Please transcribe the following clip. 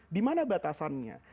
di mana batasannya